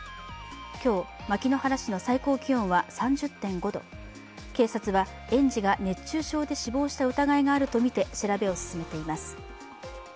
今日、牧之原市の最高気温は３０．５度警察は園児が熱中症で死亡した疑いがあるとみて調べを進めています。